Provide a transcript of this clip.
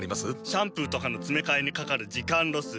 シャンプーとかのつめかえにかかる時間ロス。